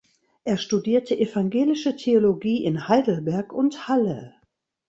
Er studierte Evangelische Theologie in Heidelberg und Halle.